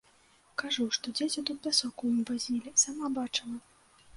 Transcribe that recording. Кажу, што дзеці тут пясок у ім вазілі, сама бачыла.